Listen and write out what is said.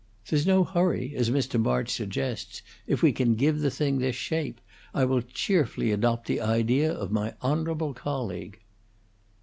There's no hurry, as Mr. March suggests, if we can give the thing this shape. I will cheerfully adopt the idea of my honorable colleague."